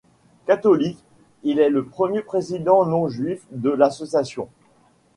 Catholique, il est le premier président non juif de l'association.